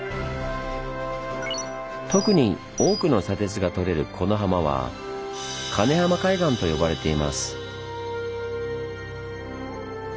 特に多くの砂鉄がとれるこの浜は「鉄浜海岸」と呼ばれています。